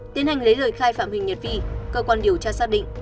tiến hành lấy lời khai phạm huỳnh nhật vi cơ quan điều tra xác định